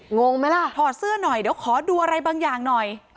งงไหมล่ะถอดเสื้อหน่อยเดี๋ยวขอดูอะไรบางอย่างหน่อย